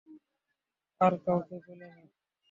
আর কাউকে পেলে না?